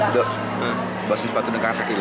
lo basuh sepatu dengan kakak sakit lo